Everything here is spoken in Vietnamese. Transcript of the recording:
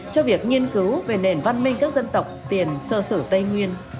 cho việc nghiên cứu về nền văn minh các dân tộc tiền sơ sử tây nguyên